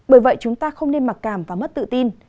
bởi vậy chúng ta không nên mặc cảm và mất tự tin